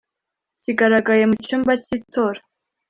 kigaragaye mu cyumba cy itora